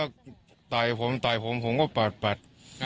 แกก็ต่อยผมต่อยผมผมก็ปัดปัด